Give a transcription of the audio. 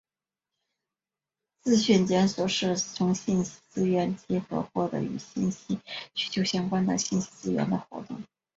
资讯检索是从信息资源集合获得与信息需求相关的信息资源的活动。